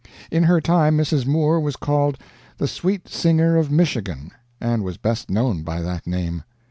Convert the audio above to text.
In her time Mrs. Moore was called "the Sweet Singer of Michigan," and was best known by that name.